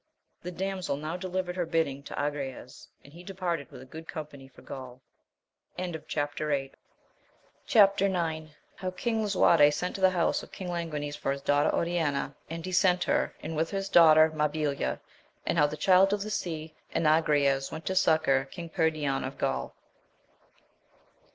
The damsel now delivered her bidding to Agrayes, and he departed with a good company for Cjr«o\. 46 AMADIS OF GAUL Chap. IX.— How King Lisuarte sent to the house of King Lan guines for his daughter Oriana, and he sent her, and with her his daughter 3Iabilia ; and how the Child of the Sea and Agrayes went to succour King Perion of G aul.